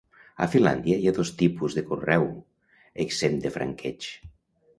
A Finlàndia, hi ha dos tipus de correu exempt de franqueig.